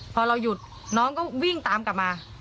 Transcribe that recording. พอเราหยุดน้องก็วิ่งตามกลับมา